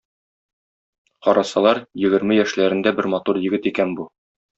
Карасалар, егерме яшьләрендә бер матур егет икән бу.